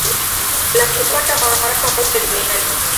na kupanda kwa gharama kote duniani